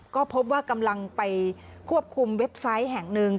ก็พบว่ากำลังไปควบคุมเว็บไซต์แห่งหนึ่ง